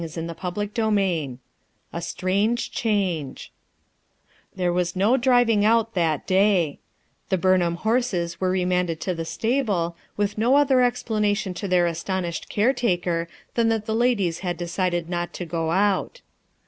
■■■ CHAPTER XXVI A STRANGE CHANGE rnHERE w as no driving out that day; the |_ Burnham horses were remanded to the stable with no other explanation to their as tonished care taker than that the ladies had decided not to go out.